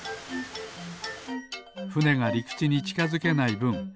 ふねがりくちにちかづけないぶんさん